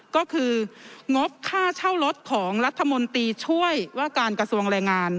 ก็คืองบค่าเช่ารถของรัฐมนตรีช่วยว่าการกระทรวงแรงงาน